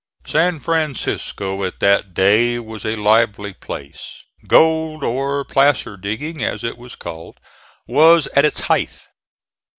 San Francisco at that day was a lively place. Gold, or placer digging as it was called, was at its height.